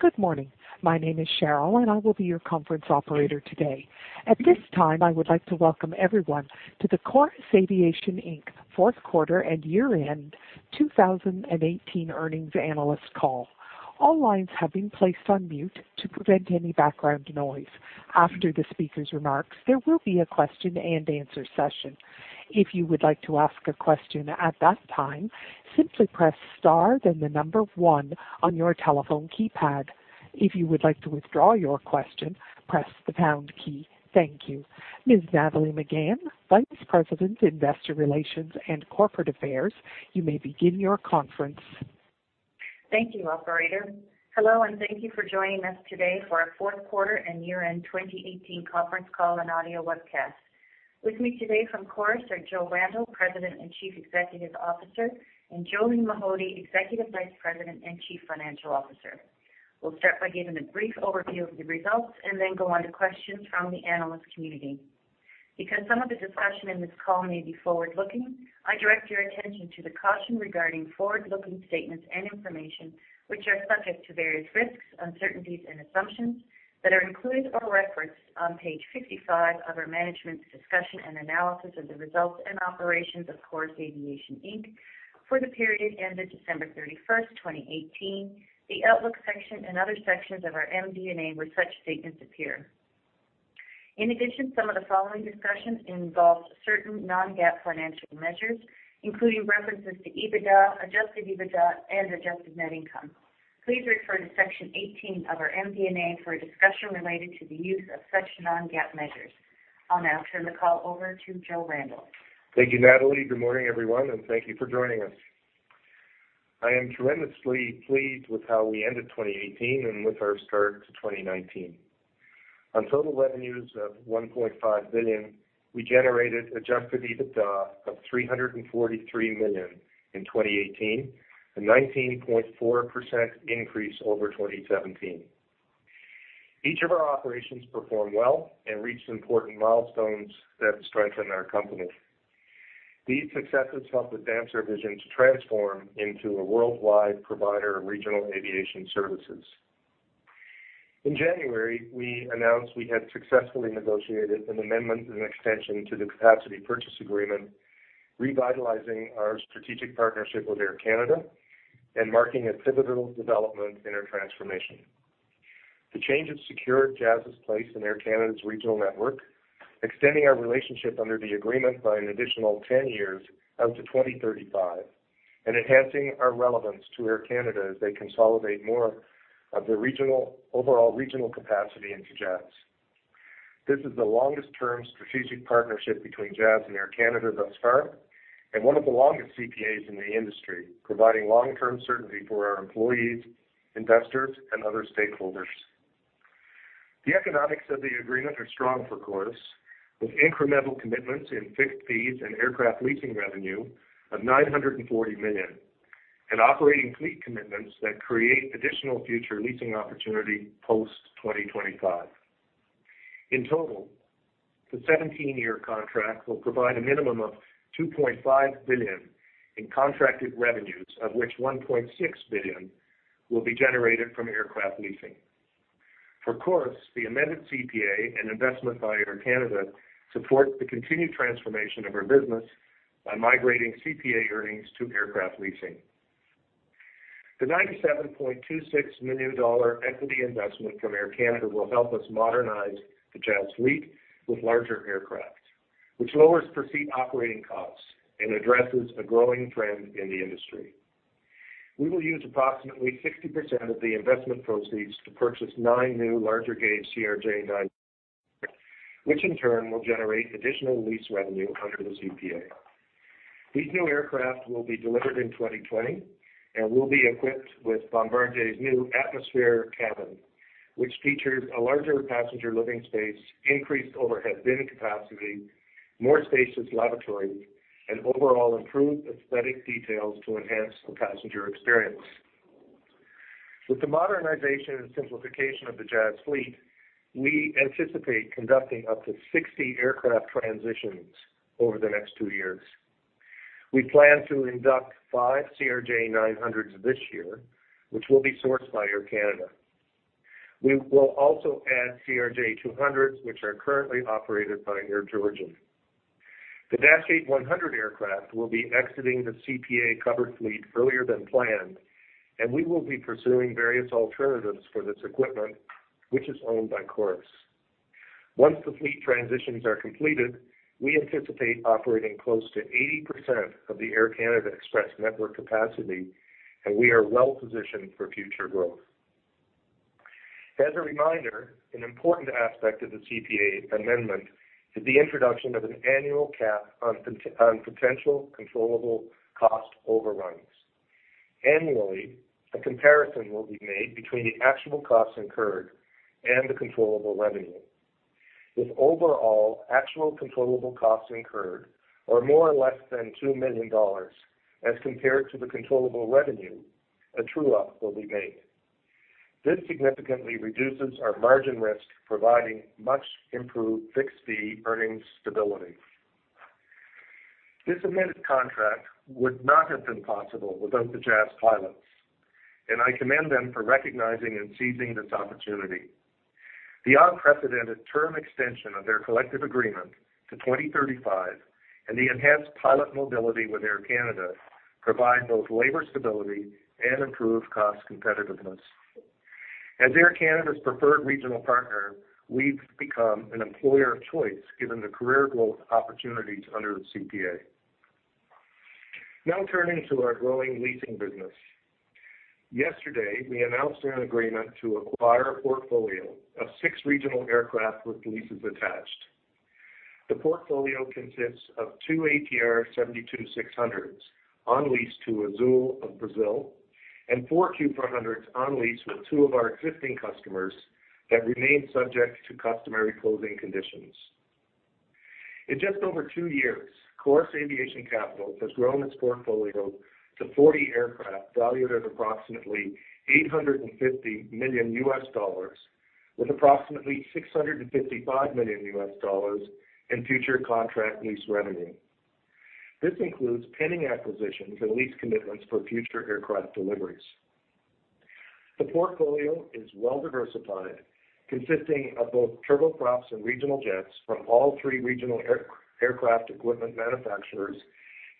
Good morning. My name is Sheryl, and I will be your conference operator today. At this time, I would like to welcome everyone to the Chorus Aviation Inc. fourth quarter and year-end 2018 earnings analyst call. All lines have been placed on mute to prevent any background noise. After the speaker's remarks, there will be a question-and-answer session. If you would like to ask a question at that time, simply press star, then the number one on your telephone keypad. If you would like to withdraw your question, press the pound key. Thank you. Ms. Nathalie Megann, Vice President, Investor Relations and Corporate Affairs, you may begin your conference. Thank you, operator. Hello, and thank you for joining us today for our fourth quarter and year-end 2018 conference call and audio webcast. With me today from Chorus are Joe Randell, President and Chief Executive Officer, and Jolene Mahody, Executive Vice President and Chief Financial Officer. We'll start by giving a brief overview of the results and then go on to questions from the analyst community. Because some of the discussion in this call may be forward-looking, I direct your attention to the caution regarding forward-looking statements and information which are subject to various risks, uncertainties, and assumptions that are included or referenced on page 55 of our management's discussion and analysis of the results and operations of Chorus Aviation Inc. for the period ended December 31, 2018, the outlook section and other sections of our MD&A, where such statements appear. In addition, some of the following discussions involve certain non-GAAP financial measures, including references to EBITDA, adjusted EBITDA, and adjusted net income. Please refer to Section 18 of our MD&A for a discussion related to the use of such non-GAAP measures. I'll now turn the call over to Joe Randell. Thank you, Nathalie. Good morning, everyone, and thank you for joining us. I am tremendously pleased with how we ended 2018 and with our start to 2019. On total revenues of 1.5 billion, we generated adjusted EBITDA of 343 million in 2018, a 19.4% increase over 2017. Each of our operations performed well and reached important milestones that strengthen our company. These successes help advance our vision to transform into a worldwide provider of regional aviation services. In January, we announced we had successfully negotiated an amendment and extension to the Capacity Purchase Agreement, revitalizing our strategic partnership with Air Canada and marking a pivotal development in our transformation. The change has secured Jazz's place in Air Canada's regional network, extending our relationship under the agreement by an additional 10 years out to 2035 and enhancing our relevance to Air Canada as they consolidate more of the regional, overall regional capacity into Jazz. This is the longest-term strategic partnership between Jazz and Air Canada thus far and one of the longest CPAs in the industry, providing long-term certainty for our employees, investors, and other stakeholders. The economics of the agreement are strong for Chorus, with incremental commitments in fixed fees and aircraft leasing revenue of 940 million and operating fleet commitments that create additional future leasing opportunity post 2025. In total, the 17-year contract will provide a minimum of 2.5 billion in contracted revenues, of which 1.6 billion will be generated from aircraft leasing. For Chorus, the amended CPA and investment by Air Canada support the continued transformation of our business by migrating CPA earnings to aircraft leasing. The 97.26 million dollar equity investment from Air Canada will help us modernize the Jazz fleet with larger aircraft, which lowers per-seat operating costs and addresses a growing trend in the industry. We will use approximately 60% of the investment proceeds to purchase nine new larger-gauge CRJ900s, which in turn will generate additional lease revenue under the CPA. These new aircraft will be delivered in 2020 and will be equipped with Bombardier's new Atmosphere cabin, which features a larger passenger living space, increased overhead bin capacity, more spacious lavatory, and overall improved aesthetic details to enhance the passenger experience. With the modernization and simplification of the Jazz fleet, we anticipate conducting up to 60 aircraft transitions over the next 2 years. We plan to induct 5 CRJ900s this year, which will be sourced by Air Canada. We will also add CRJ200s, which are currently operated by Air Georgian. The Dash 8-100 aircraft will be exiting the CPA-covered fleet earlier than planned, and we will be pursuing various alternatives for this equipment, which is owned by Chorus. Once the fleet transitions are completed, we anticipate operating close to 80% of the Air Canada Express network capacity, and we are well positioned for future growth. As a reminder, an important aspect of the CPA amendment is the introduction of an annual cap on potential controllable cost overruns. Annually, a comparison will be made between the actual costs incurred and the controllable revenue. If overall actual controllable costs incurred are more or less than 2 million dollars as compared to the controllable revenue, a true-up will be made. This significantly reduces our margin risk, providing much improved fixed-fee earnings stability. This amended contract would not have been possible without the Jazz pilots, and I commend them for recognizing and seizing this opportunity. The unprecedented term extension of their collective agreement to 2035 and the enhanced pilot mobility with Air Canada provide both labor stability and improved cost competitiveness. As Air Canada's preferred regional partner, we've become an employer of choice, given the career growth opportunities under the CPA. Now turning to our growing leasing business. Yesterday, we announced an agreement to acquire a portfolio of 6 regional aircraft with leases attached. The portfolio consists of two ATR 72-600s on lease to Azul of Brazil and four Q400s on lease with two of our existing customers that remain subject to customary closing conditions. In just over two years, Chorus Aviation Capital has grown its portfolio to 40 aircraft, valued at approximately $850 million, with approximately $655 million in future contract lease revenue. This includes pending acquisitions and lease commitments for future aircraft deliveries. The portfolio is well diversified, consisting of both turboprops and regional jets from all three regional aircraft equipment manufacturers,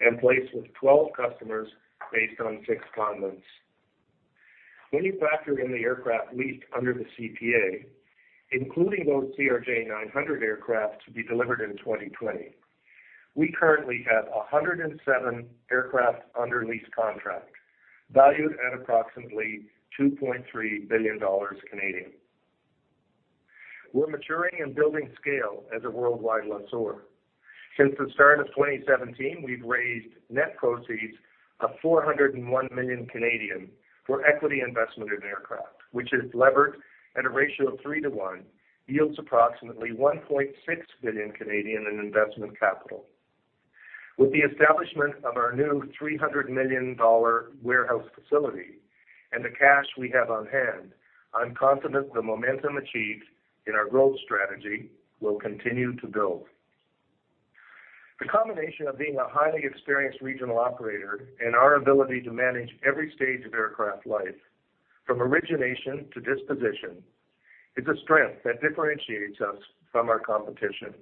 and placed with 12 customers based on 6 continents. When you factor in the aircraft leased under the CPA, including those CRJ900 aircraft to be delivered in 2020, we currently have 107 aircraft under lease contract, valued at approximately 2.3 billion Canadian dollars. We're maturing and building scale as a worldwide lessor. Since the start of 2017, we've raised net proceeds of 401 million for equity investment in aircraft, which is levered at a ratio of 3-to-1, yields approximately 1.6 billion in investment capital. With the establishment of our new 300 million dollar warehouse facility and the cash we have on hand, I'm confident the momentum achieved in our growth strategy will continue to build. The combination of being a highly experienced regional operator and our ability to manage every stage of aircraft life, from origination to disposition, is a strength that differentiates us from our competition.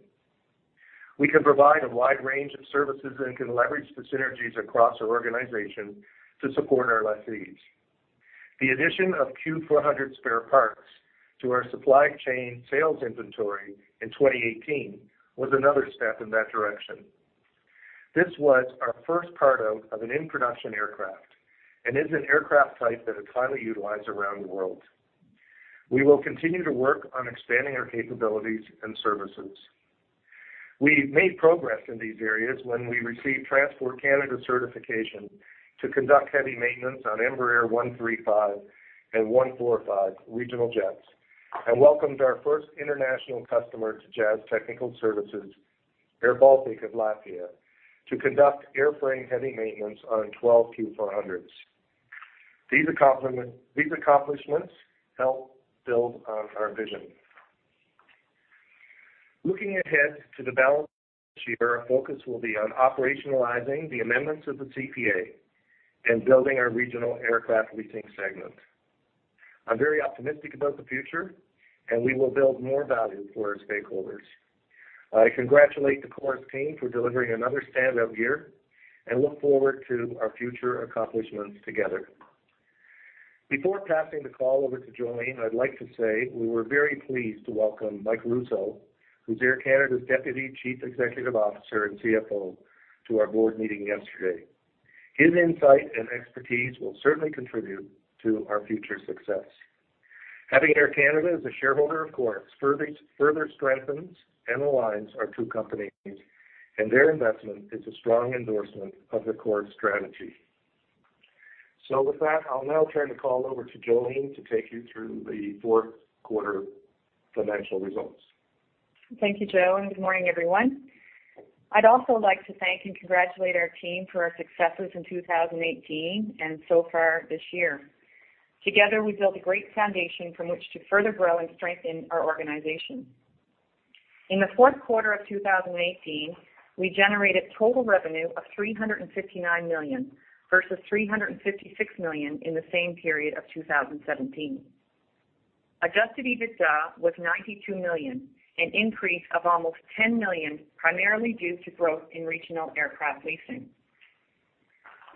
We can provide a wide range of services and can leverage the synergies across our organization to support our lessees. The addition of Q400 spare parts to our supply chain sales inventory in 2018 was another step in that direction. This was our first part out of an in-production aircraft and is an aircraft type that is highly utilized around the world. We will continue to work on expanding our capabilities and services. We made progress in these areas when we received Transport Canada certification to conduct heavy maintenance on Embraer 135 and 145 regional jets, and welcomed our first international customer to Jazz Technical Services, airBaltic of Latvia, to conduct airframe heavy maintenance on 12 Q400s. These accomplishments help build on our vision. Looking ahead to the balance sheet, our focus will be on operationalizing the amendments of the CPA and building our regional aircraft leasing segment. I'm very optimistic about the future, and we will build more value for our stakeholders. I congratulate the Chorus team for delivering another standout year and look forward to our future accomplishments together. Before passing the call over to Jolene, I'd like to say we were very pleased to welcome Mike Rousseau, who's Air Canada's Deputy Chief Executive Officer and CFO, to our board meeting yesterday. His insight and expertise will certainly contribute to our future success. Having Air Canada as a shareholder of Chorus further strengthens and aligns our two companies, and their investment is a strong endorsement of the Chorus strategy. With that, I'll now turn the call over to Jolene to take you through the fourth quarter financial results. Thank you, Joe, and good morning, everyone. I'd also like to thank and congratulate our team for our successes in 2018 and so far this year. Together, we built a great foundation from which to further grow and strengthen our organization. In the fourth quarter of 2018, we generated total revenue of 359 million, versus 356 million in the same period of 2017. Adjusted EBITDA was 92 million, an increase of almost 10 million, primarily due to growth in regional aircraft leasing.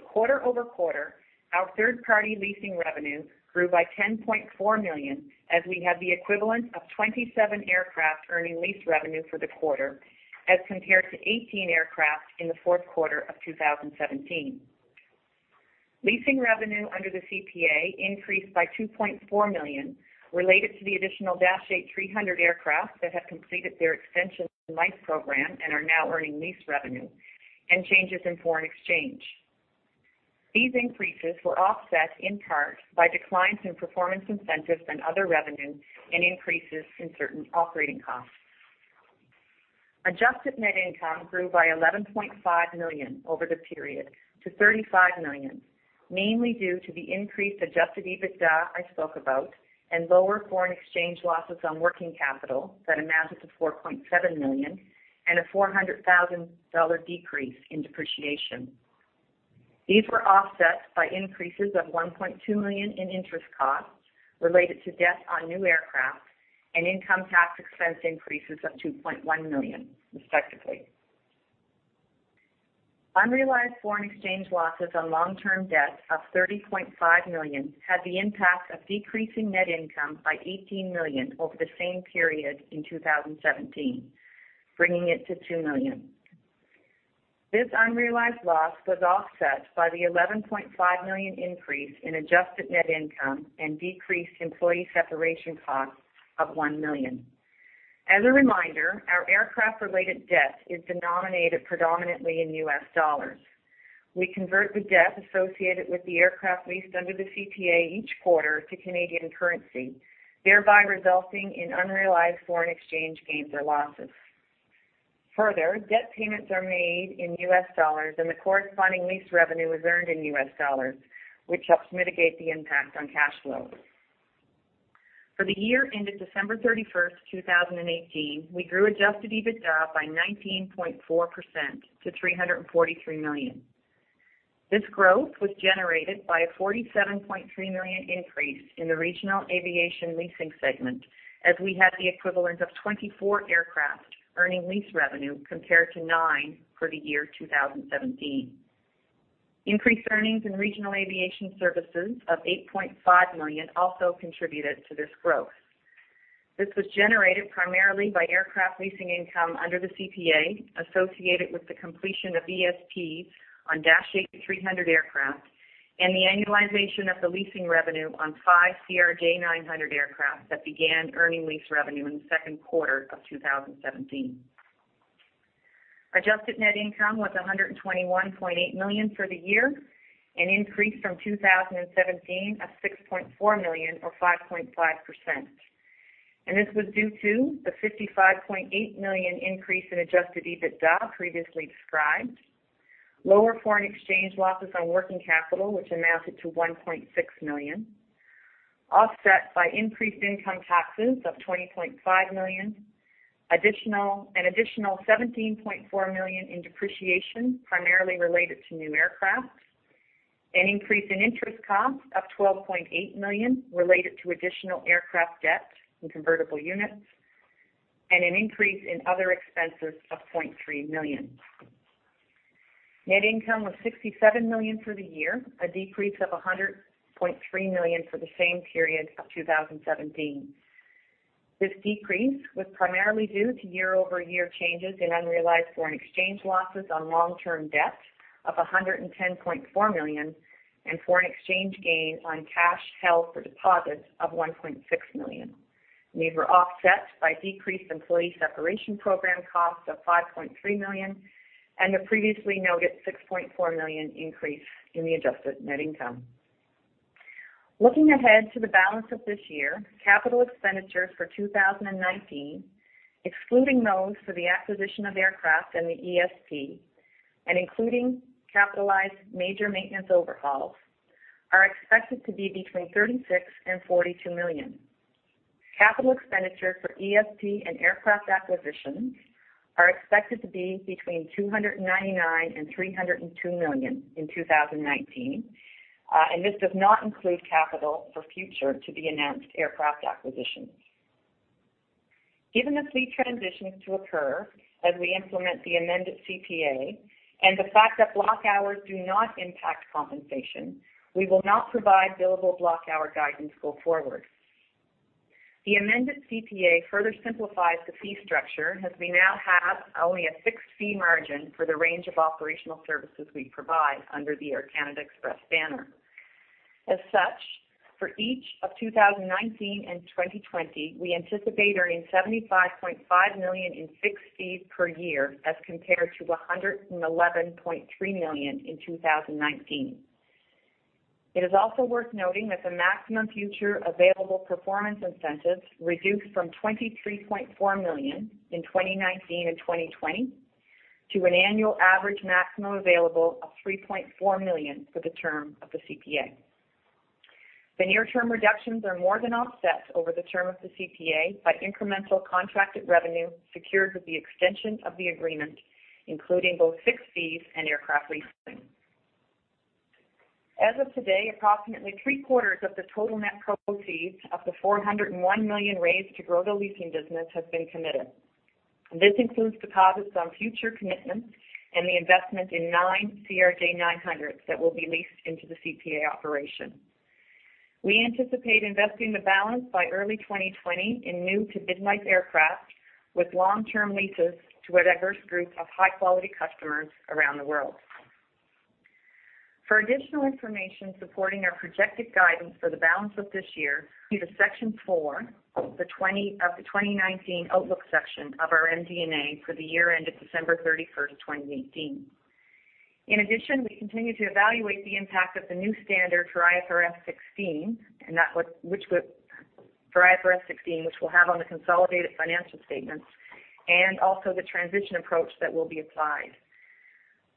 Quarter-over-quarter, our third-party leasing revenue grew by 10.4 million, as we had the equivalent of 27 aircraft earning lease revenue for the quarter, as compared to 18 aircraft in the fourth quarter of 2017. Leasing revenue under the CPA increased by 2.4 million, related to the additional Dash 8-300 aircraft that have completed their life extension program and are now earning lease revenue and changes in foreign exchange. These increases were offset in part by declines in performance incentives and other revenue and increases in certain operating costs. Adjusted net income grew by 11.5 million over the period to 35 million, mainly due to the increased adjusted EBITDA I spoke about and lower foreign exchange losses on working capital that amounted to $4.7 million and a $400,000 decrease in depreciation. These were offset by increases of $1.2 million in interest costs related to debt on new aircraft and income tax expense increases of $2.1 million, respectively. Unrealized foreign exchange losses on long-term debt of 30.5 million had the impact of decreasing net income by 18 million over the same period in 2017, bringing it to 2 million. This unrealized loss was offset by the 11.5 million increase in adjusted net income and decreased employee separation costs of 1 million. As a reminder, our aircraft-related debt is denominated predominantly in U.S. dollars. We convert the debt associated with the aircraft leased under the CPA each quarter to Canadian currency, thereby resulting in unrealized foreign exchange gains or losses. Further, debt payments are made in U.S. dollars, and the corresponding lease revenue is earned in U.S. dollars, which helps mitigate the impact on cash flows. For the year ended December 31, 2018, we grew adjusted EBITDA by 19.4% to 343 million. This growth was generated by a 47.3 million increase in the regional aviation leasing segment, as we had the equivalent of 24 aircraft earning lease revenue compared to 9 for the year 2017. Increased earnings in regional aviation services of 8.5 million also contributed to this growth. This was generated primarily by aircraft leasing income under the CPA associated with the completion of ESP on Dash 8-300 aircraft and the annualization of the leasing revenue on five CRJ900 aircraft that began earning lease revenue in the second quarter of 2017. Adjusted net income was 121.8 million for the year, an increase from 2017 of 6.4 million or 5.5%. This was due to the 55.8 million increase in adjusted EBITDA previously described, lower foreign exchange losses on working capital, which amounted to 1.6 million, offset by increased income taxes of 20.5 million, an additional 17.4 million in depreciation, primarily related to new aircraft, an increase in interest costs of 12.8 million related to additional aircraft debt and convertible units, and an increase in other expenses of 0.3 million. Net income was 67 million for the year, a decrease of 100.3 million for the same period of 2017. This decrease was primarily due to year-over-year changes in unrealized foreign exchange losses on long-term debt of 110.4 million and foreign exchange gains on cash held for deposits of 1.6 million. These were offset by decreased employee separation program costs of 5.3 million and the previously noted 6.4 million increase in the adjusted net income. Looking ahead to the balance of this year, capital expenditures for 2019, excluding those for the acquisition of aircraft and the ESP, and including capitalized major maintenance overhauls, are expected to be between 36 million and 42 million. Capital expenditures for ESP and aircraft acquisitions are expected to be between 299 million and 302 million in 2019, and this does not include capital for future to-be-announced aircraft acquisitions. Given the fleet transitions to occur as we implement the amended CPA and the fact that block hours do not impact compensation, we will not provide billable block hour guidance go forward. The amended CPA further simplifies the fee structure, as we now have only a fixed fee margin for the range of operational services we provide under the Air Canada Express banner. As such, for each of 2019 and 2020, we anticipate earning 75.5 million in fixed fees per year as compared to 111.3 million in 2019. It is also worth noting that the maximum future available performance incentives reduced from 23.4 million in 2019 and 2020 to an annual average maximum available of 3.4 million for the term of the CPA. The near-term reductions are more than offset over the term of the CPA by incremental contracted revenue secured with the extension of the agreement, including both fixed fees and aircraft leasing. As of today, approximately three-quarters of the total net proceeds of 401 million raised to grow the leasing business has been committed. This includes deposits on future commitments and the investment in nine CRJ900s that will be leased into the CPA operation. We anticipate investing the balance by early 2020 in new to mid-life aircraft with long-term leases to a diverse group of high-quality customers around the world. For additional information supporting our projected guidance for the balance of this year, see Section 4 of the 2019 Outlook section of our MD&A for the year ended December 31, 2018. In addition, we continue to evaluate the impact of the new standard for IFRS 16, which we'll have on the consolidated financial statements, and also the transition approach that will be applied.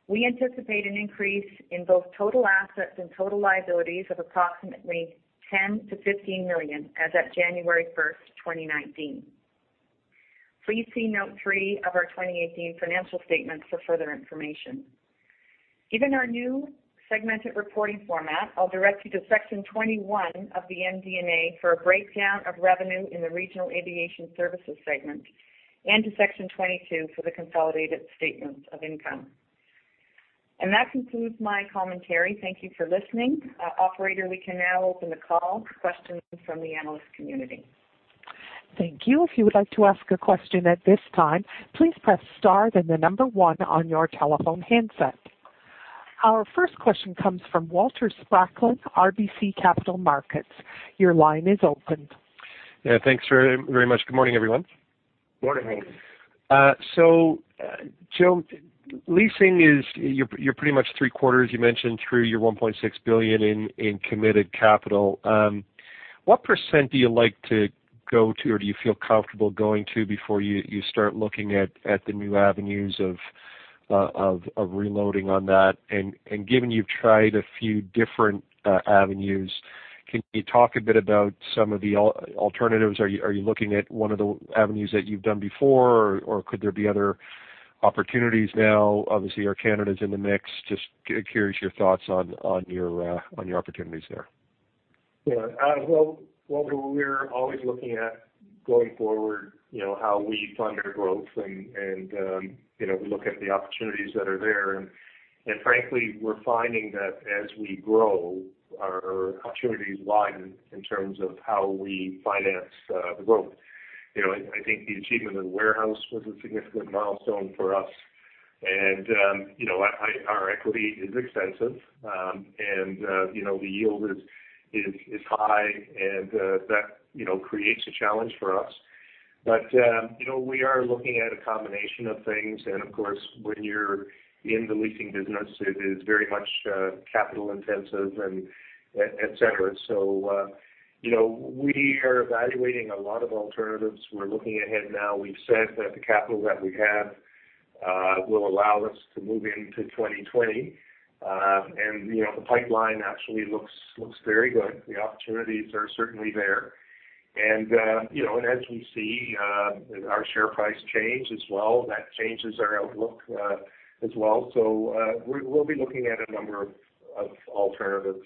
We anticipate an increase in both total assets and total liabilities of approximately 10 million-15 million as of January 1, 2019. Please see note 3 of our 2018 financial statements for further information. Given our new segmented reporting format, I'll direct you to section 21 of the MD&A for a breakdown of revenue in the Regional Aviation Services segment and to section 22 for the consolidated statements of income. That concludes my commentary. Thank you for listening. Operator, we can now open the call for questions from the analyst community. Thank you. If you would like to ask a question at this time, please press star, then the number one on your telephone handset. Our first question comes from Walter Spracklin, RBC Capital Markets. Your line is open. Yeah, thanks very, very much. Good morning, everyone. Morning. Morning. So, Joe, leasing is, you're, you're pretty much three quarters, you mentioned, through your 1.6 billion in committed capital. What percent do you like to go to, or do you feel comfortable going to, before you start looking at the new avenues of reloading on that? And given you've tried a few different avenues, can you talk a bit about some of the alternatives? Are you looking at one of the avenues that you've done before, or could there be other opportunities now? Obviously, Air Canada's in the mix. Just curious your thoughts on your opportunities there. Yeah. Well, Walter, we're always looking at going forward, you know, how we fund our growth and, and, you know, we look at the opportunities that are there. And frankly, we're finding that as we grow, our opportunities widen in terms of how we finance the growth. You know, I think the achievement of the warehouse was a significant milestone for us. And, you know, our equity is extensive, and, you know, the yield is high, and that, you know, creates a challenge for us. But, you know, we are looking at a combination of things. And, of course, when you're in the leasing business, it is very much capital intensive and, et cetera. So, you know, we are evaluating a lot of alternatives. We're looking ahead now. We've said that the capital that we have will allow us to move into 2020. And, you know, the pipeline actually looks very good. The opportunities are certainly there. And, you know, and as we see our share price change as well, that changes our outlook as well. So, we'll be looking at a number of alternatives.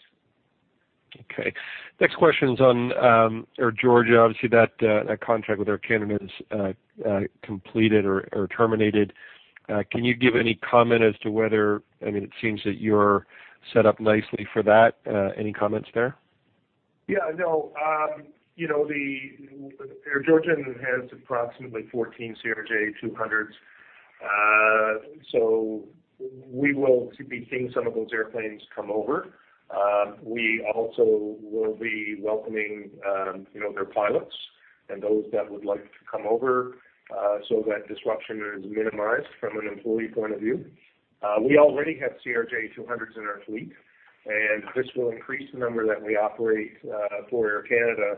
Okay. Next question is on Air Georgian. Obviously, that contract with Air Canada is completed or terminated. Can you give any comment as to whether, I mean, it seems that you're set up nicely for that, any comments there? Yeah, no. You know, the Air Georgian has approximately 14 CRJ200s. So we will be seeing some of those airplanes come over. We also will be welcoming, you know, their pilots and those that would like to come over, so that disruption is minimized from an employee point of view. We already have CRJ200s in our fleet, and this will increase the number that we operate, for Air Canada.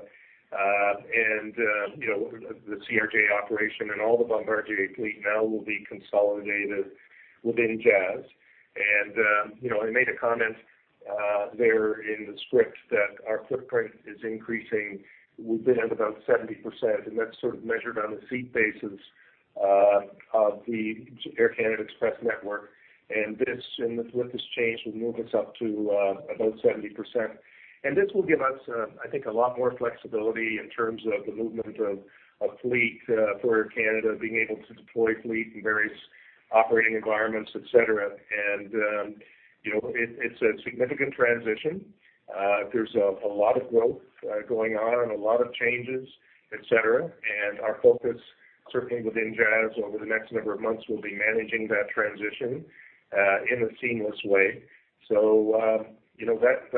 You know, the CRJ operation and all the Bombardier fleet now will be consolidated within Jazz. You know, I made a comment, there in the script that our footprint is increasing. We've been at about 70%, and that's sort of measured on a seat basis, of the Air Canada Express network. And with this change, will move us up to, about 70%. This will give us, I think, a lot more flexibility in terms of the movement of fleet for Air Canada, being able to deploy fleet in various operating environments, et cetera. And, you know, it, it's a significant transition. There's a lot of growth going on and a lot of changes, et cetera. And our focus, certainly within Jazz over the next number of months, will be managing that transition in a seamless way. So, you know, that,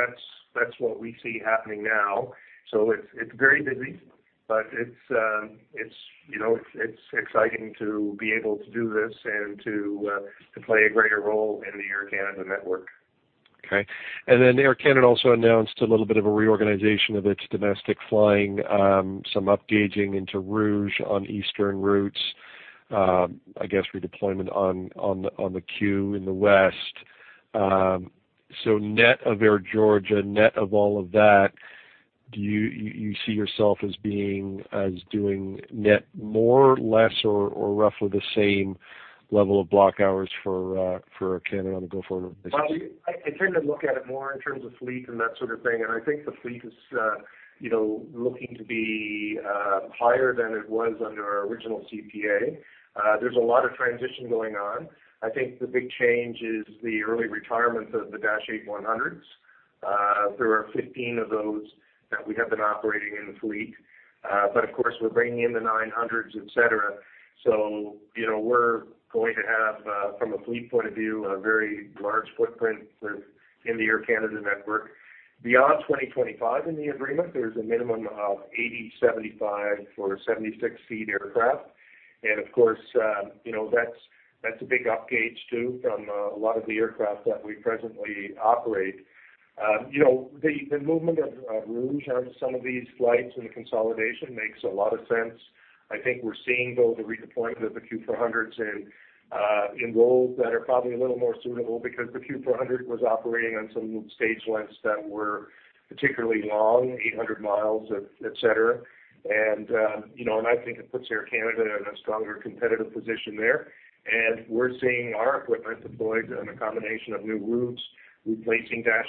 that's what we see happening now. So it's very busy, but it's, you know, it's exciting to be able to do this and to play a greater role in the Air Canada network. Okay. Air Canada also announced a little bit of a reorganization of its domestic flying, some upgauging into Rouge on eastern routes, I guess redeployment on the queue in the west. So net of Air Georgian, net of all of that, do you see yourself as being, as doing net more, less, or roughly the same level of block hours for Air Canada on the go forward? Well, I, I tend to look at it more in terms of fleet and that sort of thing, and I think the fleet is, you know, looking to be, higher than it was under our original CPA. There's a lot of transition going on. I think the big change is the early retirement of the Dash 8-100s. There are 15 of those that we have been operating in the fleet. But of course, we're bringing in the 900s, et cetera. So, you know, we're going to have, from a fleet point of view, a very large footprint within the Air Canada network. Beyond 2025 in the agreement, there's a minimum of 80, 75- or 76-seat aircraft. And of course, you know, that's, that's a big upgauge too, from, a lot of the aircraft that we presently operate. You know, the movement of Rouge on some of these flights and the consolidation makes a lot of sense. I think we're seeing, though, the redeployment of the Q400s in roles that are probably a little more suitable because the Q400 was operating on some stage lengths that were particularly long, 800 miles, et cetera. And you know, I think it puts Air Canada in a stronger competitive position there. And we're seeing our equipment deployed on a combination of new routes, replacing Dash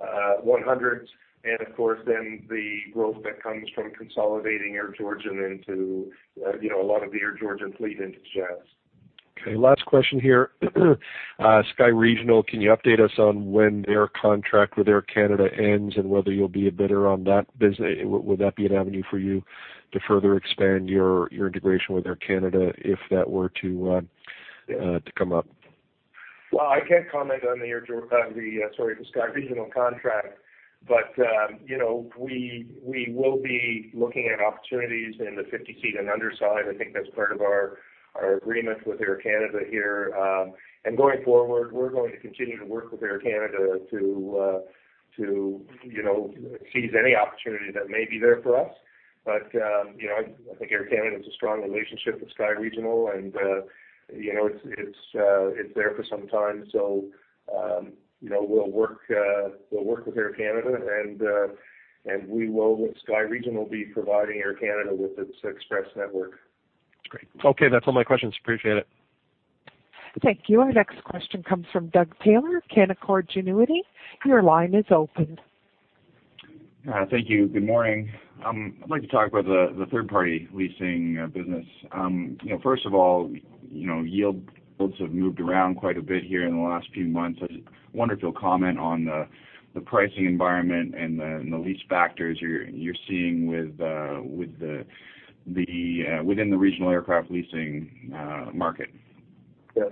8-100s, and of course, then the growth that comes from consolidating Air Georgian into a lot of the Air Georgian fleet into Jazz. Okay, last question here. Sky Regional, can you update us on when their contract with Air Canada ends and whether you'll be a bidder on that business? Would that be an avenue for you to further expand your integration with Air Canada, if that were to come up? Well, I can't comment on the Sky Regional contract, but, you know, we will be looking at opportunities in the 50-seat and under side. I think that's part of our agreement with Air Canada here. And going forward, we're going to continue to work with Air Canada to, you know, seize any opportunity that may be there for us. But, you know, I think Air Canada has a strong relationship with Sky Regional, and, you know, it's there for some time. So, you know, we'll work with Air Canada, and we will, with Sky Regional, be providing Air Canada with its express network. Great. Okay, that's all my questions. Appreciate it. Thank you. Our next question comes from Doug Taylor, Canaccord Genuity. Your line is opened. Thank you. Good morning. I'd like to talk about the third party leasing business. You know, first of all, you know, yields have moved around quite a bit here in the last few months. I just wonder if you'll comment on the pricing environment and the lease factors you're seeing with the within the regional aircraft leasing market. Yeah.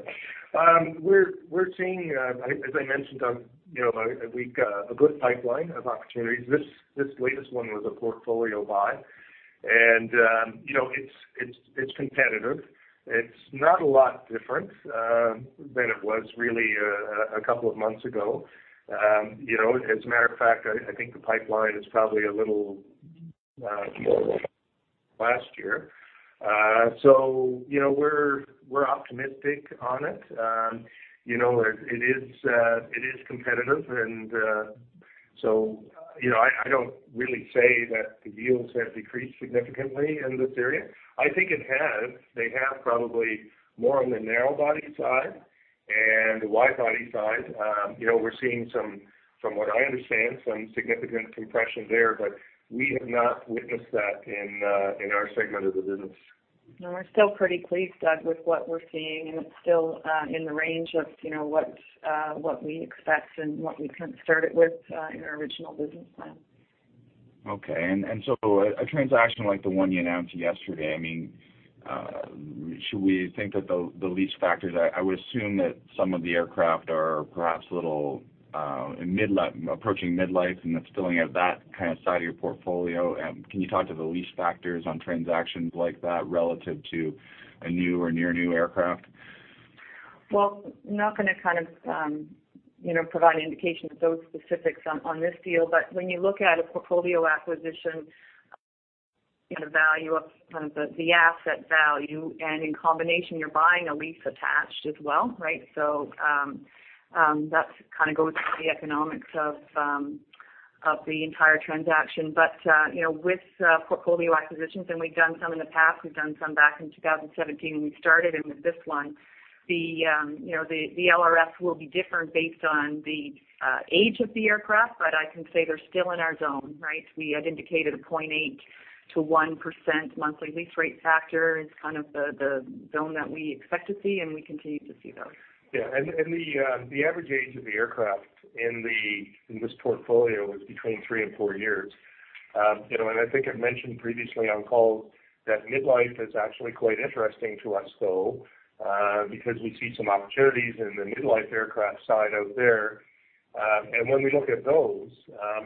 We're seeing, as I mentioned on, you know, a week, a good pipeline of opportunities. This latest one was a portfolio buy, and, you know, it's competitive. It's not a lot different than it was really a couple of months ago. You know, as a matter of fact, I think the pipeline is probably a little like last year. So, you know, we're optimistic on it. You know, it is competitive, and so, you know, I don't really say that the yields have decreased significantly in this area. I think it has. They have probably more on the narrow body side and the wide body side. You know, we're seeing some, from what I understand, some significant compression there, but we have not witnessed that in our segment of the business. No, we're still pretty pleased, Doug, with what we're seeing, and it's still in the range of, you know, what we expect and what we kind of started with in our original business plan. Okay. And so a transaction like the one you announced yesterday, I mean, should we think that the lease factors, I would assume that some of the aircraft are perhaps a little approaching midlife, and that's filling out that kind of side of your portfolio. Can you talk to the lease factors on transactions like that relative to a new or near-new aircraft? Well, I'm not going to kind of, you know, provide indication of those specifics on, on this deal. But when you look at a portfolio acquisition, the value of kind of the, the asset value, and in combination, you're buying a lease attached as well, right? So, that's kind of goes to the economics of, of the entire transaction. But, you know, with, portfolio acquisitions, and we've done some in the past, we've done some back in 2017, when we started, and with this one, the, you know, the, the LRF will be different based on the, age of the aircraft, but I can say they're still in our zone, right? We had indicated a 0.8%-1% monthly lease rate factor is kind of the zone that we expect to see, and we continue to see those. Yeah. The average age of the aircraft in this portfolio was between 3 and 4 years. You know, I think I've mentioned previously on call, that midlife is actually quite interesting to us, though, because we see some opportunities in the midlife aircraft side out there. And when we look at those,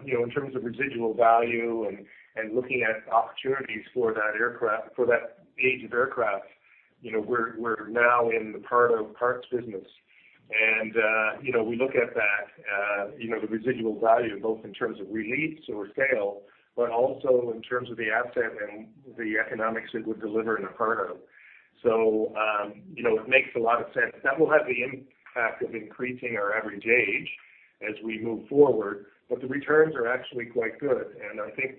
you know, in terms of residual value and looking at opportunities for that aircraft, for that age of aircraft, you know, we're now in the part-out parts business. You know, we look at that, you know, the residual value, both in terms of lease or sale, but also in terms of the asset and the economics it would deliver in a part-out. So, you know, it makes a lot of sense. That will have the impact of increasing our average age as we move forward, but the returns are actually quite good, and I think,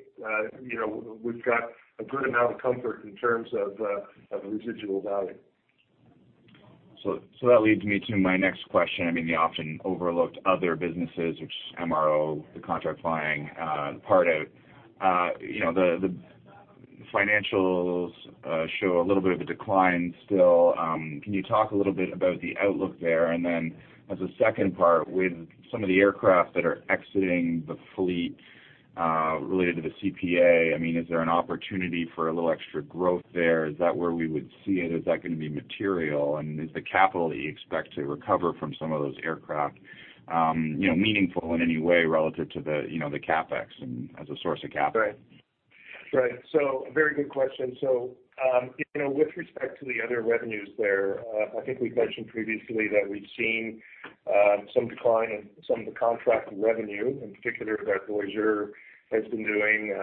you know, we've got a good amount of comfort in terms of the residual value. So, so that leads me to my next question. I mean, the often overlooked other businesses, which is MRO, the contract flying, part out. You know, the financials show a little bit of a decline still. Can you talk a little bit about the outlook there? And then as a second part, with some of the aircraft that are exiting the fleet, related to the CPA, I mean, is there an opportunity for a little extra growth there? Is that where we would see it? Is that going to be material? And is the capital that you expect to recover from some of those aircraft, you know, meaningful in any way relative to the, you know, the CapEx and as a source of capital? Right. So very good question. So, you know, with respect to the other revenues there, I think we've mentioned previously that we've seen some decline in some of the contracted revenue, in particular, that Voyageur has been doing.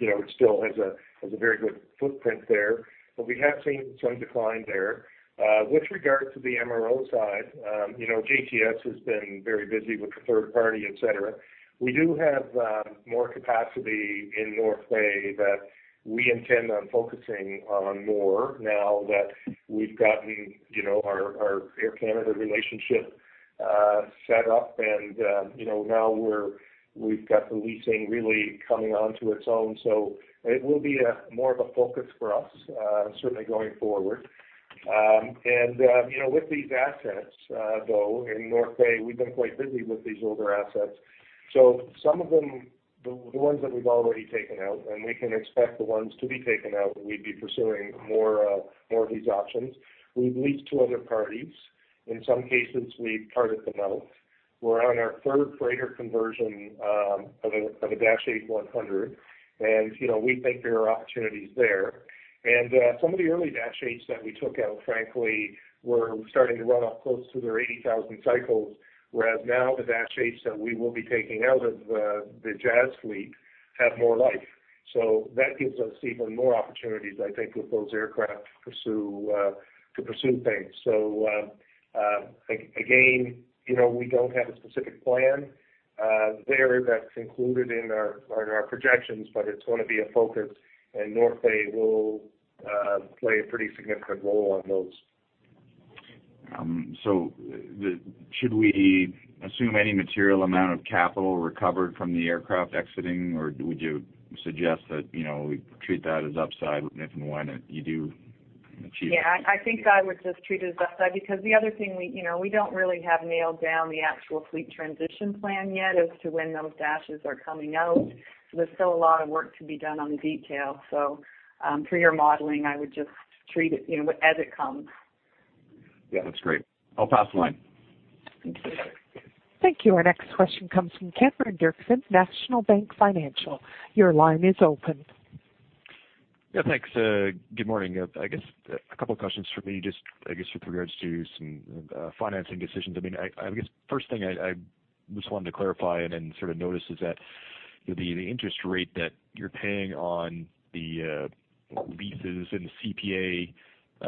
You know, it still has a very good footprint there, but we have seen some decline there. With regard to the MRO side, you know, JTS has been very busy with the third party, et cetera. We do have more capacity in North Bay that we intend on focusing on more now that we've gotten, you know, our Air Canada relationship set up. And, you know, now we've got the leasing really coming onto its own. So it will be more of a focus for us, certainly going forward. And, you know, with these assets, though, in North Bay, we've been quite busy with these older assets. So some of them, the, the ones that we've already taken out, and we can expect the ones to be taken out, we'd be pursuing more, more of these options. We've leased to other parties. In some cases, we've parted them out. We're on our third freighter conversion, of a, of a Dash 8-100, and, you know, we think there are opportunities there. And, some of the early Dash 8s that we took out, frankly, were starting to run up close to their 80,000 cycles, whereas now the Dash 8s that we will be taking out of the, the Jazz fleet have more life. So that gives us even more opportunities, I think, with those aircraft to pursue, to pursue things. Again, you know, we don't have a specific plan there that's included in our projections, but it's gonna be a focus, and North Bay will play a pretty significant role on those. Should we assume any material amount of capital recovered from the aircraft exiting, or would you suggest that, you know, we treat that as upside, if and when you do achieve it? Yeah, I think I would just treat it as upside, because the other thing we, you know, we don't really have nailed down the actual fleet transition plan yet as to when those dashes are coming out. So there's still a lot of work to be done on the detail. So, for your modeling, I would just treat it, you know, as it comes. Yeah, that's great. I'll pass the line. Thank you. Our next question comes from Cameron Doerksen, National Bank Financial. Your line is open. Yeah, thanks. Good morning. I guess a couple of questions for me, just I guess, with regards to some financing decisions. I mean, I guess first thing I just wanted to clarify and then sort of notice is that, you know, the interest rate that you're paying on the leases in the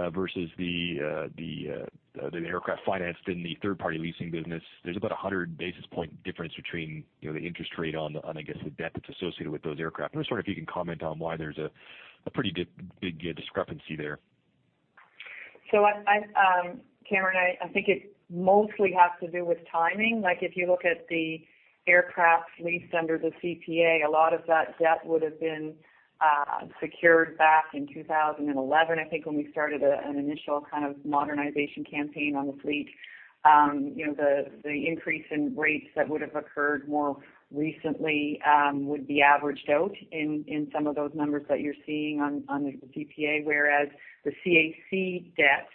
CPA versus the aircraft financed in the third party leasing business, there's about 100 basis point difference between, you know, the interest rate on the, on I guess, the debt that's associated with those aircraft. I'm just wondering if you can comment on why there's a pretty big discrepancy there. So, Cameron, I think it mostly has to do with timing. Like, if you look at the aircraft leased under the CPA, a lot of that debt would have been secured back in 2011, I think, when we started an initial kind of modernization campaign on the fleet. You know, the increase in rates that would have occurred more recently would be averaged out in some of those numbers that you're seeing on the CPA, whereas the CAC debt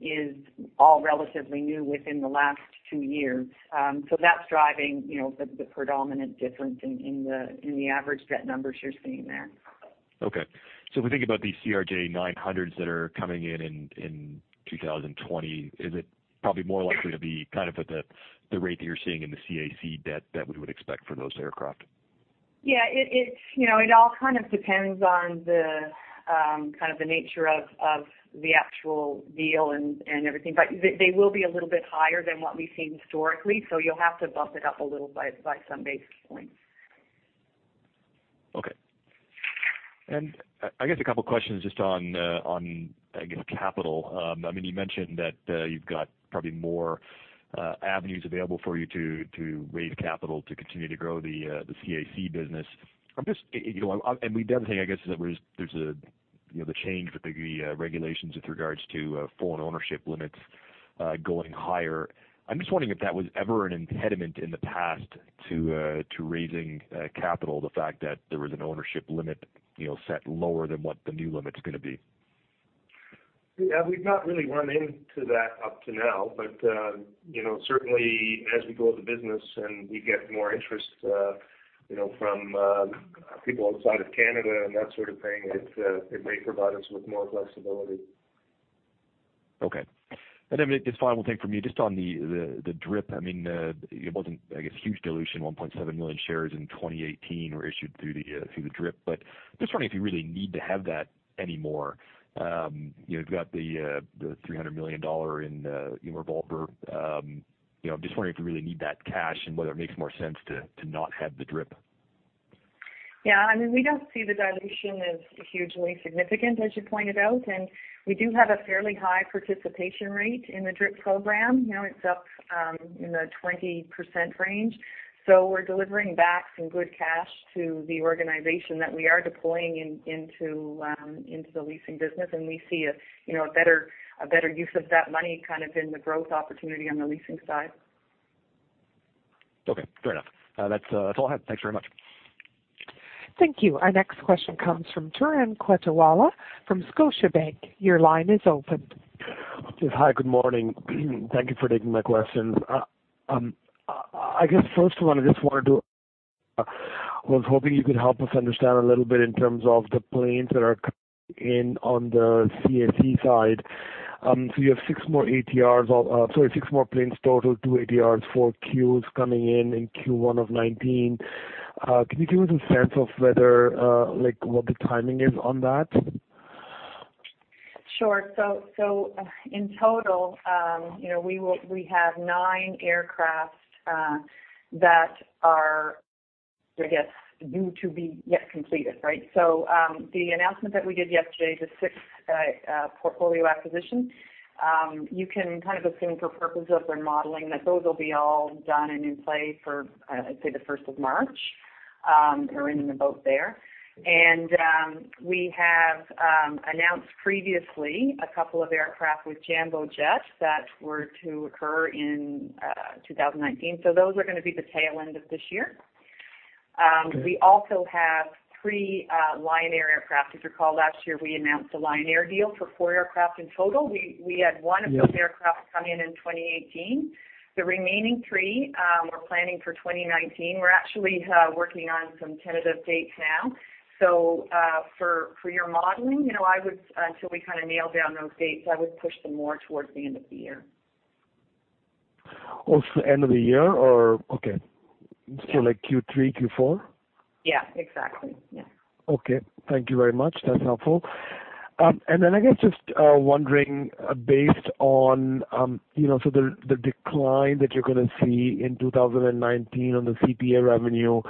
is all relatively new within the last two years. So that's driving, you know, the predominant difference in the average debt numbers you're seeing there. Okay. So if we think about the CRJ 900s that are coming in in 2020, is it probably more likely to be kind of at the rate that you're seeing in the CAC debt that we would expect for those aircraft? Yeah, it's, you know, it all kind of depends on the kind of the nature of the actual deal and everything, but they will be a little bit higher than what we've seen historically, so you'll have to bump it up a little by some basis points. Okay. And I guess a couple of questions just on capital. I mean, you mentioned that you've got probably more avenues available for you to raise capital to continue to grow the CAC business. I'm just, you know, and we definitely, I guess, there's a, you know, the change with the regulations with regards to foreign ownership limits going higher. I'm just wondering if that was ever an impediment in the past to raising capital, the fact that there was an ownership limit, you know, set lower than what the new limit's gonna be. Yeah, we've not really run into that up to now, but, you know, certainly as we grow the business and we get more interest, you know, from people outside of Canada and that sort of thing, it may provide us with more flexibility. Okay. And then just final thing from me, just on the DRIP. I mean, it wasn't, I guess, huge dilution, 1.7 million shares in 2018 were issued through the DRIP. But just wondering if you really need to have that anymore. You know, you've got the $300 million revolver. You know, I'm just wondering if you really need that cash and whether it makes more sense to not have the DRIP. Yeah, I mean, we don't see the dilution as hugely significant, as you pointed out, and we do have a fairly high participation rate in the DRIP program. Now it's up in the 20% range. So we're delivering back some good cash to the organization that we are deploying in, into, into the leasing business, and we see a, you know, a better, a better use of that money, kind of in the growth opportunity on the leasing side. Okay, fair enough. That's, that's all I have. Thanks very much. Thank you. Our next question comes from Turan Quettawala from Scotiabank. Your line is open. Yeah. Hi, good morning. Thank you for taking my questions. I guess, first of all, I just wanted to, I was hoping you could help us understand a little bit in terms of the planes that are coming in on the CAC side. So you have six more ATRs, or, sorry, six more planes total, two ATRs, four Qs coming in, in Q1 of 2019. Can you give us a sense of whether, like, what the timing is on that? Sure. So in total, you know, we have nine aircraft that are, I guess, due to be yet completed, right? So, the announcement that we did yesterday, the six portfolio acquisition, you can kind of assume for purposes of your modeling, that those will be all done and in play for, I'd say the first of March, or in and about there. And, we have announced previously a couple of aircraft with Jambojet that were to occur in 2019. So those are going to be the tail end of this year. We also have three Lion Air aircraft. If you recall, last year, we announced a Lion Air deal for four aircraft in total. We, we had one of those aircraft come in in 2018. The remaining three, we're planning for 2019. We're actually working on some tentative dates now. So, for your modeling, you know, I would until we kind of nail down those dates, I would push them more towards the end of the year. Oh, so end of the year or, okay. So like Q3, Q4? Yeah, exactly. Yeah. Okay. Thank you very much. That's helpful. And then I guess, just, wondering, based on, you know, so the, the decline that you're going to see in 2019 on the CPA revenue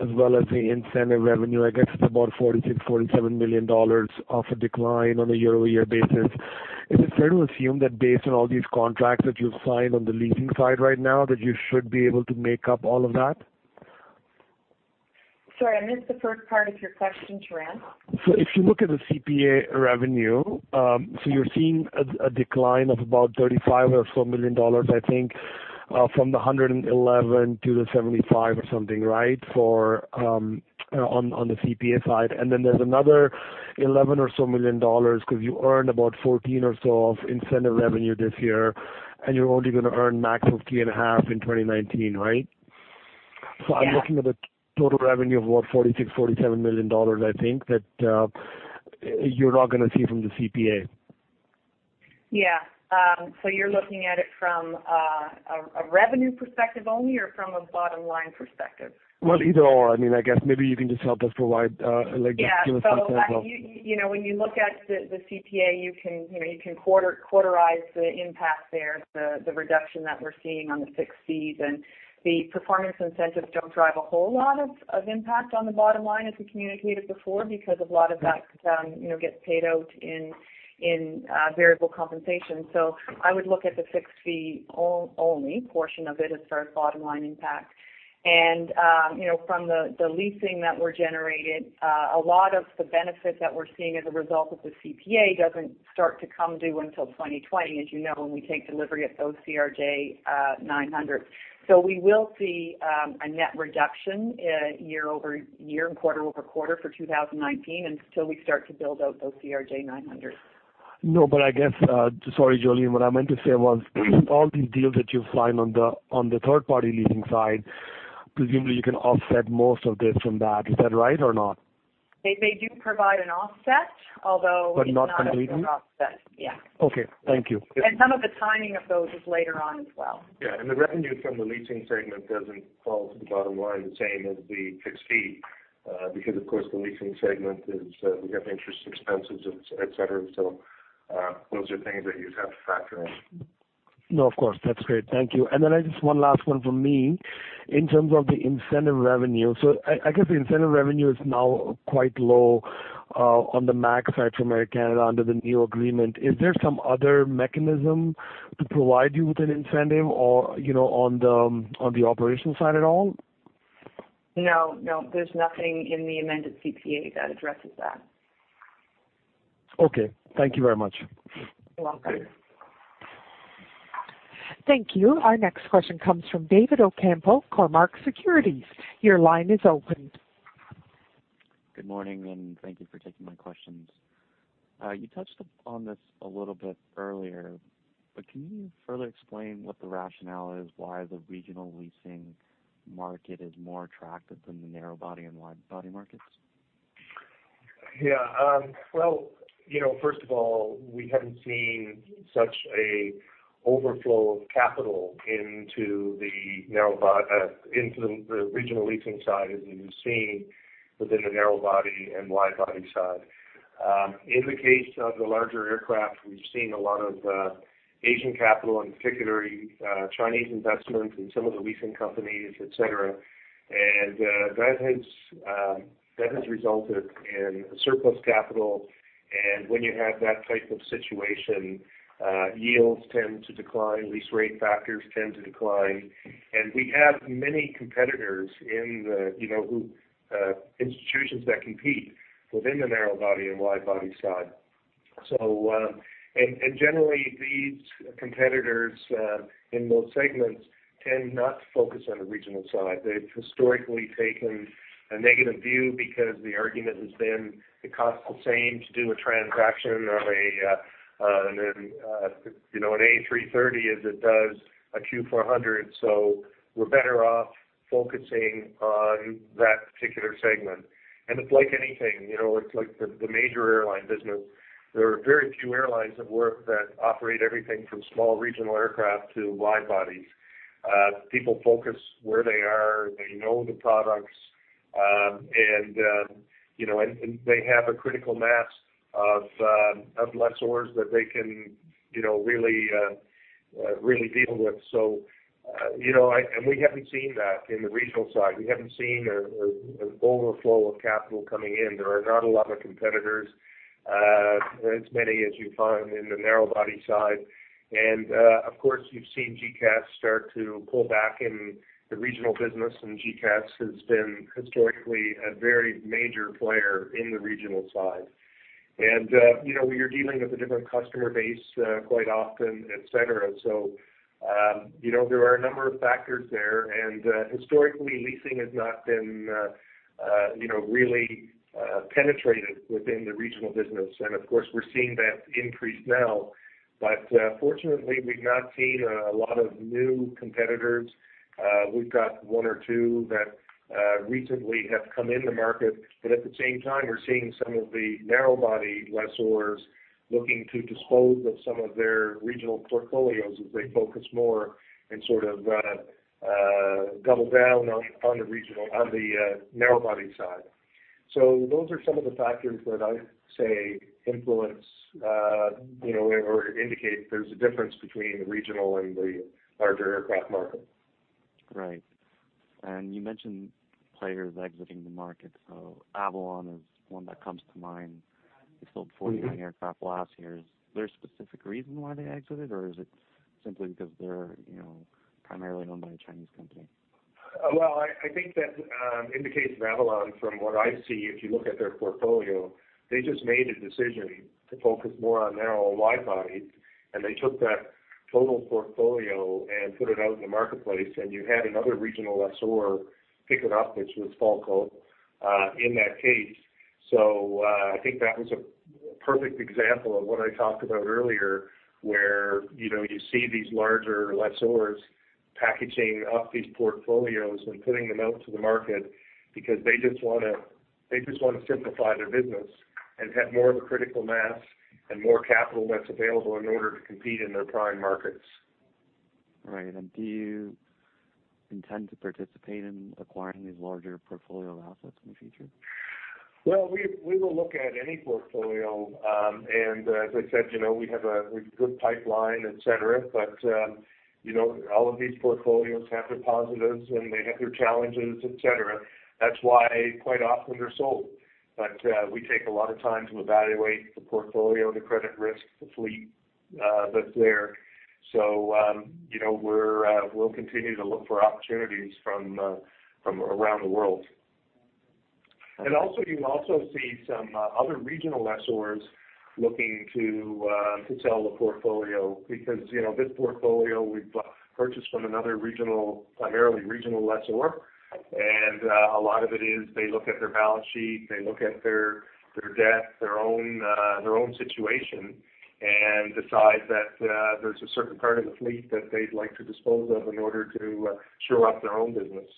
as well as the incentive revenue, I guess it's about 46 million-47 million dollars of a decline on a year-over-year basis. Is it fair to assume that based on all these contracts that you've signed on the leasing side right now, that you should be able to make up all of that? Sorry, I missed the first part of your question, Turan. So if you look at the CPA revenue, so you're seeing a decline of about 35 million or so, I think, from the 111 million to the 75 million or something, right? For on the CPA side. And then there's another 11 million or so, because you earned about 14 million or so of incentive revenue this year, and you're only going to earn max of 3.5 million in 2019, right? Yeah. So I'm looking at a total revenue of what, 46 million-47 million dollars, I think, that you're not going to see from the CPA. Yeah. So you're looking at it from a revenue perspective only, or from a bottom line perspective? Well, either or, I mean, I guess maybe you can just help us provide, like give us some sense. You know, when you look at the CPA, you can, you know, you can quarterize the impact there, the reduction that we're seeing on the fixed fees and the performance incentives don't drive a whole lot of impact on the bottom line, as we communicated before, because a lot of that, you know, gets paid out in variable compensation. So I would look at the fixed fee only portion of it as our bottom line impact. And, you know, from the leasing that we're generating, a lot of the benefit that we're seeing as a result of the CPA doesn't start to come due until 2020, as you know, when we take delivery of those CRJ900. We will see a net reduction year-over-year and quarter-over-quarter for 2019, until we start to build out those CRJ 900. No, but I guess, sorry, Jolene, what I meant to say was, all these deals that you sign on the third party leasing side, presumably you can offset most of this from that. Is that right or not? They do provide an offset, although- But not completely? It's not a full offset. Yeah. Okay. Thank you. Some of the timing of those is later on as well. Yeah, and the revenue from the leasing segment doesn't fall to the bottom line the same as the fixed fee, because, of course, the leasing segment is, we have interest expenses, et cetera. So, those are things that you'd have to factor in. No, of course. That's great. Thank you. And then I just one last one from me. In terms of the incentive revenue, so I guess the incentive revenue is now quite low on the max side for Air Canada under the new agreement. Is there some other mechanism to provide you with an incentive or, you know, on the operations side at all? No, no, there's nothing in the amended CPA that addresses that. Okay. Thank you very much. You're welcome. Thank you. Thank you. Our next question comes from David Ocampo, Cormark Securities. Your line is open. Good morning, and thank you for taking my questions. You touched up on this a little bit earlier, but can you further explain what the rationale is, why the regional leasing market is more attractive than the narrow body and wide body markets? Yeah, well, you know, first of all, we haven't seen such an overflow of capital into the narrow body, into the regional leasing side as we've seen within the narrow body and wide body side. In the case of the larger aircraft, we've seen a lot of Asian capital, in particular, Chinese investments in some of the leasing companies, et cetera. And that has resulted in surplus capital. And when you have that type of situation, yields tend to decline, lease rate factors tend to decline. And we have many competitors in the, you know, institutions that compete within the narrow body and wide body side. So, generally, these competitors in those segments tend not to focus on the regional side. They've historically taken a negative view because the argument has been, it costs the same to do a transaction on a, you know, an A330 as it does a Q400, so we're better off focusing on that particular segment. And it's like anything, you know, it's like the major airline business. There are very few airlines that work, that operate everything from small regional aircraft to wide bodies. People focus where they are, they know the products, and, you know, and, and they have a critical mass of lessors that they can, you know, really, really deal with. So, you know, and we haven't seen that in the regional side. We haven't seen an overflow of capital coming in. There are not a lot of competitors, as many as you find in the narrow body side. And, of course, you've seen GECAS start to pull back in the regional business, and GECAS has been historically a very major player in the regional side. And, you know, you're dealing with a different customer base, quite often, et cetera. So, you know, there are a number of factors there, and, historically, leasing has not been, you know, really, penetrated within the regional business. And of course, we're seeing that increase now. But, fortunately, we've not seen a lot of new competitors. We've got one or two that recently have come in the market, but at the same time, we're seeing some of the narrow body lessors looking to dispose of some of their regional portfolios as they focus more and sort of double down on the narrow body side. So those are some of the factors that I'd say influence, you know, or indicate there's a difference between the regional and the larger aircraft market. Right. And you mentioned players exiting the market, so Avolon is one that comes to mind. They sold 48 aircraft last year. Is there a specific reason why they exited, or is it simply because they're, you know, primarily owned by a Chinese company? Well, I think that, in the case of Avolon, from what I see, if you look at their portfolio, they just made a decision to focus more on narrow and wide body, and they took that total portfolio and put it out in the marketplace, and you had another regional lessor pick it up, which was Falko, in that case. So, I think that was a perfect example of what I talked about earlier, where, you know, you see these larger lessors packaging up these portfolios and putting them out to the market because they just wanna, they just wanna simplify their business and have more of a critical mass and more capital that's available in order to compete in their prime markets. Right. And do you intend to participate in acquiring these larger portfolio assets in the future? Well, we will look at any portfolio, and as I said, you know, we have a good pipeline, et cetera. But, you know, all of these portfolios have their positives, and they have their challenges, et cetera. That's why quite often they're sold. But, we take a lot of time to evaluate the portfolio, the credit risk, the fleet, that's there. So, you know, we're, we'll continue to look for opportunities from, from around the world. And also, you also see some other regional lessors looking to sell a portfolio because, you know, this portfolio we've purchased from another regional, primarily regional lessor, and a lot of it is they look at their balance sheet, they look at their, their debt, their own, their own situation, and decide that there's a certain part of the fleet that they'd like to dispose of in order to shore up their own business.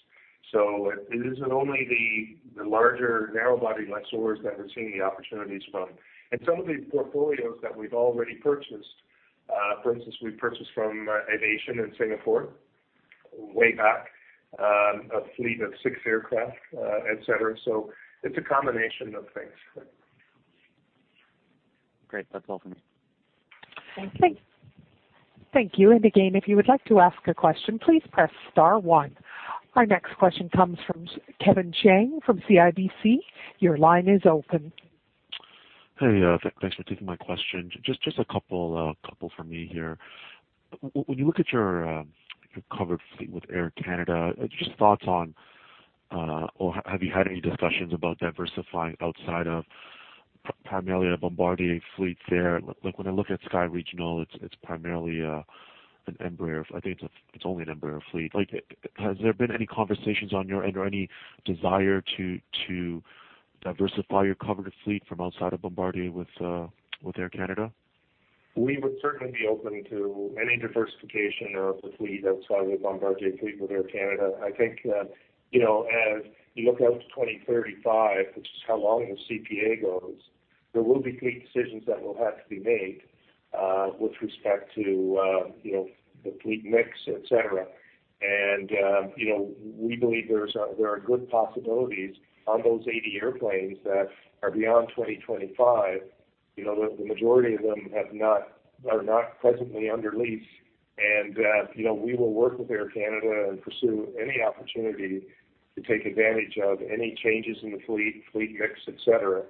So it isn't only the larger narrow-body lessors that we're seeing the opportunities from. And some of these portfolios that we've already purchased, for instance, we purchased from AirAsia in Singapore, way back, a fleet of six aircraft, etc. So it's a combination of things. Great. That's all for me. Thank you. Thank you. And again, if you would like to ask a question, please press star one. Our next question comes from Kevin Chiang, from CIBC. Your line is open. Hey, thanks for taking my question. Just a couple from me here. When you look at your covered fleet with Air Canada, just thoughts on, or have you had any discussions about diversifying outside of primarily a Bombardier fleet there? Like when I look at Sky Regional, it's primarily an Embraer. I think it's only an Embraer fleet. Like, has there been any conversations on your end or any desire to diversify your covered fleet from outside of Bombardier with Air Canada? We would certainly be open to any diversification of the fleet outside of the Bombardier fleet with Air Canada. I think, you know, as you look out to 2035, which is how long the CPA goes, there will be fleet decisions that will have to be made, with respect to, you know, the fleet mix, et cetera. You know, we believe there are good possibilities on those 80 airplanes that are beyond 2025. You know, the majority of them have not, are not presently under lease, and, you know, we will work with Air Canada and pursue any opportunity to take advantage of any changes in the fleet, fleet mix, et cetera.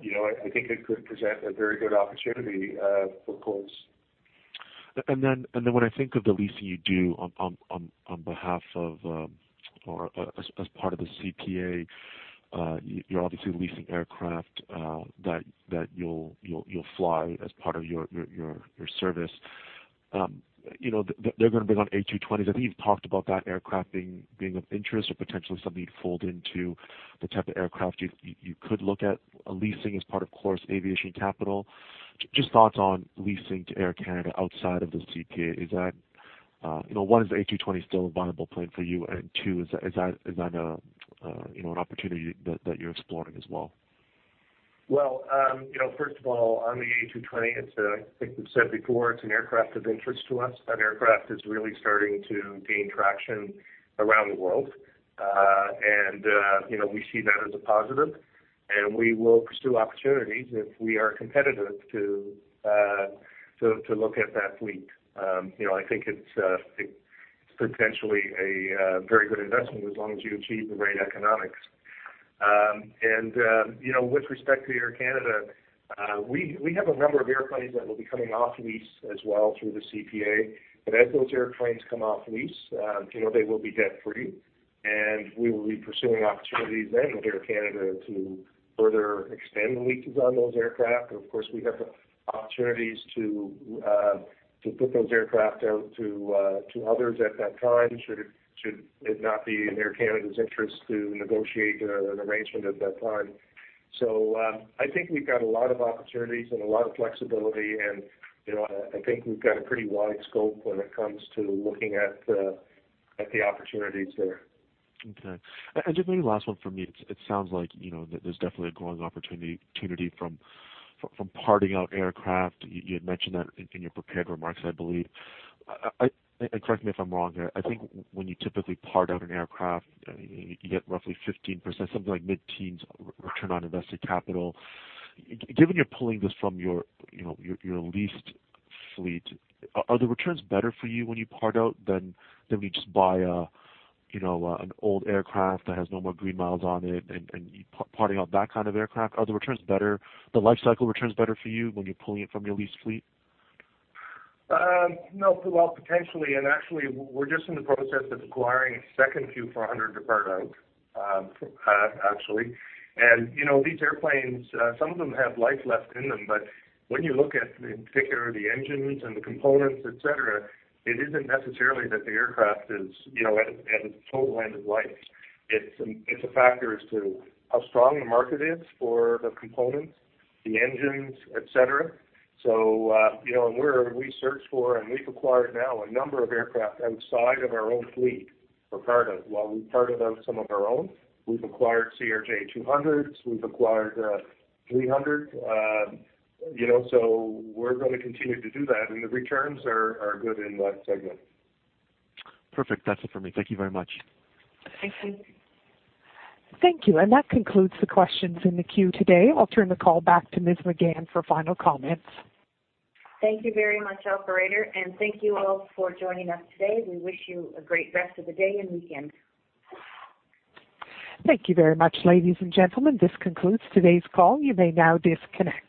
You know, I think it could present a very good opportunity of course. And then when I think of the leasing you do on behalf of, or as part of the CPA, you're obviously leasing aircraft that you'll fly as part of your service. You know, they're going to bring on A220s. I think you've talked about that aircraft being of interest or potentially something you'd fold into the type of aircraft you could look at leasing as part of Chorus Aviation Capital. Just thoughts on leasing to Air Canada outside of the CPA. Is that, you know, one, is the A220 still a viable plan for you? And two, is that an opportunity that you're exploring as well? Well, you know, first of all, on the A220, it's, I think we've said before, it's an aircraft of interest to us. That aircraft is really starting to gain traction around the world. And, you know, we see that as a positive, and we will pursue opportunities if we are competitive to look at that fleet. You know, I think it's potentially a very good investment as long as you achieve the right economics. And, you know, with respect to Air Canada, we have a number of airplanes that will be coming off lease as well through the CPA. But as those airplanes come off lease, you know, they will be debt free, and we will be pursuing opportunities then with Air Canada to further extend leases on those aircraft. Of course, we have the opportunities to put those aircraft out to others at that time, should it not be in Air Canada's interest to negotiate an arrangement at that time. So, I think we've got a lot of opportunities and a lot of flexibility, and, you know, I think we've got a pretty wide scope when it comes to looking at the opportunities there. Okay. And just maybe last one for me. It sounds like, you know, there's definitely a growing opportunity from parting out aircraft. You had mentioned that in your prepared remarks, I believe. And correct me if I'm wrong here, I think when you typically part out an aircraft, you get roughly 15%, something like mid-teens%, return on invested capital. Given you're pulling this from your, you know, your leased fleet, are the returns better for you when you part out than we just buy a, you know, an old aircraft that has no more green miles on it and parting out that kind of aircraft? Are the returns better, the life cycle returns better for you when you're pulling it from your leased fleet? No, well, potentially, and actually, we're just in the process of acquiring a second Q400 to part out, actually. And, you know, these airplanes, some of them have life left in them, but when you look at, in particular, the engines and the components, et cetera, it isn't necessarily that the aircraft is, you know, at its total end of life. It's a factor as to how strong the market is for the components, the engines, et cetera. So, you know, and we search for, and we've acquired now a number of aircraft outside of our own fleet for part out. While we've parted out some of our own, we've acquired CRJ200s, we've acquired 300, you know, so we're going to continue to do that, and the returns are good in that segment. Perfect. That's it for me. Thank you very much. Thank you. Thank you. That concludes the questions in the queue today. I'll turn the call back to Ms. Megann for final comments. Thank you very much, operator, and thank you all for joining us today. We wish you a great rest of the day and weekend. Thank you very much, ladies and gentlemen. This concludes today's call. You may now disconnect.